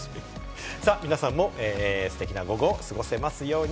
皆さんもステキな午後を過ごせますように。